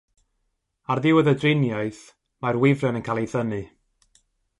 Ar ddiwedd y driniaeth mae'r wifren yn cael ei thynnu.